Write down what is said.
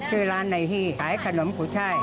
ชื่อร้านในที่ขายขนมกุช่าย